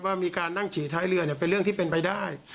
ว่ามีการนั่งฉี่ท้ายเรือเป็นเรื่องที่เป็นไปได้